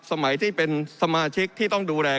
สมัยที่เป็นสมาชิกที่ต้องดูแล